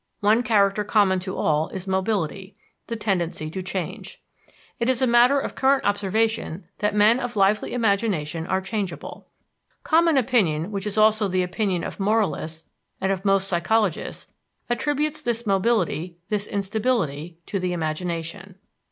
One character common to all is mobility the tendency to change. It is a matter of current observation that men of lively imagination are changeable. Common opinion, which is also the opinion of moralists and of most psychologists, attributes this mobility, this instability, to the imagination.